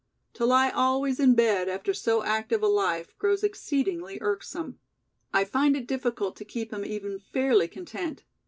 To lie always in bed after so active a life, grows exceedingly irksome. I find it difficult to keep him even fairly content.